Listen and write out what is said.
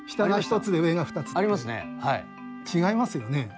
違いますよね。